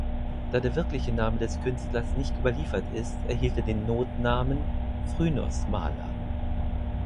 Da der wirkliche Name des Künstlers nicht überliefert ist, erhielt er den Notnamen "Phrynos-Maler".